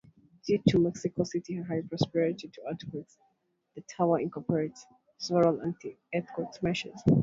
Due to Mexico City's high propensity to earthquakes, the tower incorporates several anti-earthquake measures.